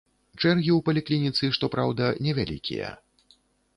Чэргі ў паліклініцы, што праўда, невялікія.